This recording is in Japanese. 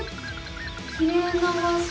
きれいな場しょ！